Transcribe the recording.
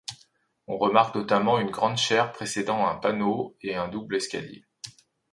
On remarque notamment une grande chaire précédant un panneau et un double escalier.